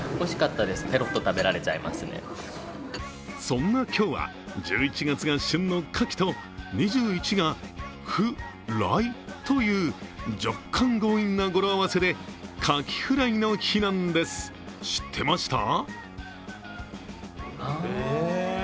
そんな今日は１１月が旬のカキと２１が２１という若干強引な語呂合わせでカキフライの日なんです、知ってました？